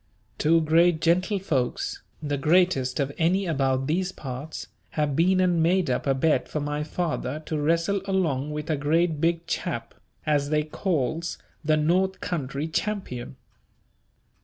Two great gentlefolks, the greatest of any about these parts, have been and made up a bet for my father to wrestle along with a great big chap as they calls the North Country champion.